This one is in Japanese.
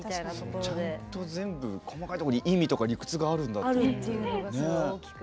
ちゃんと全部細かいところに意味とか理屈があるんだって。